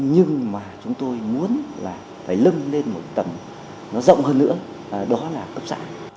nhưng mà chúng tôi muốn là phải lưng lên một tầm nó rộng hơn nữa đó là cấp xã